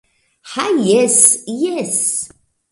Ha jes... jes...